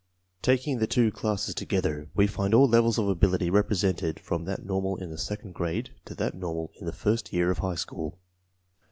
Taking the two classes together we find all levels of ability represented from that nor mal in the second grade to that normal in the first year of high school.